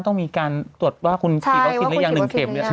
ต้องมีการตรวจว่าคุณฉีดวัคซีนหรือยัง๑เข็ม